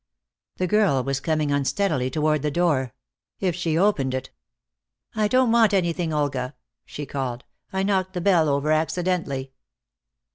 The girl was coming unsteadily toward the door. If she opened it "I don't want anything, Olga," she called, "I knocked the bell over accidentally."